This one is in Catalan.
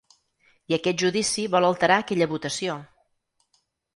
I aquest judici vol alterar aquella votació.